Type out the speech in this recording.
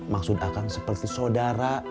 maksud akang seperti sodara